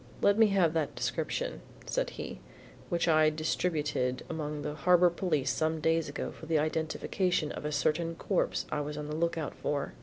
"Let me have that description," said he, "which I distributed among the Harbor Police some days ago for the identification of a certain corpse I was on the lookout for."